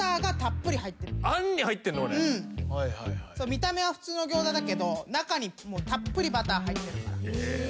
見た目は普通のギョーザだけど中にたっぷりバター入ってるから。